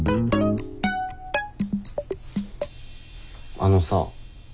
あのさ。